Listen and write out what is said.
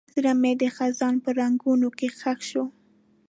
زړه مې د خزان په رنګونو کې ښخ شو.